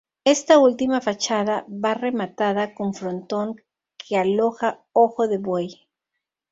Esta última fachada va rematada con frontón que aloja ojo de buey.